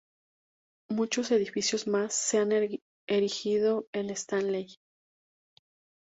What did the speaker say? Muchos edificios más se han erigido en Stanley.